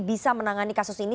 bisa menangani kasus ini